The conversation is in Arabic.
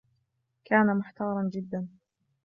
كان محتارا جدا.